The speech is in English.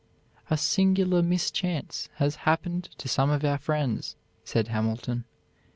"A singular mischance has happened to some of our friends," said Hamilton.